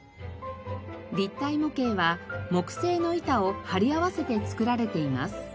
立体模型は木製の板を貼り合わせて作られています。